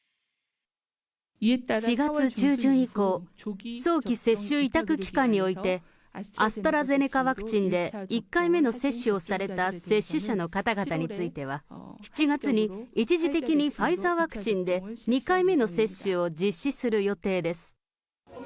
４月中旬以降、早期接種委託機関において、アストラゼネカワクチンで１回目の接種をされた接種者の方々については、７月に一時的にファイザーワクチンで、２回目の接種を実施する予定です。